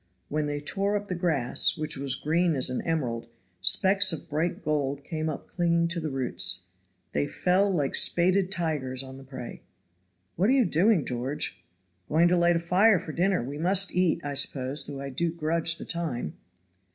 When they tore up the grass, which was green as an emerald, specks of bright gold came up clinging to the roots. They fell like spaded tigers on the prey. "What are you doing, George?" "Going to light a fire for dinner. We must eat, I suppose, though I do grudge the time."